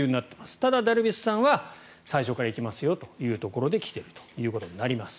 ただ、ダルビッシュさんは最初から行きますよというところで来ているということになります。